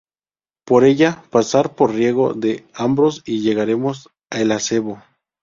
Por ella, pasar por Riego de Ambrós y llegaremos a El Acebo.